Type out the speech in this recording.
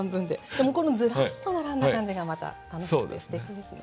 でもこのズラッと並んだ感じがまた楽しくてすてきですね。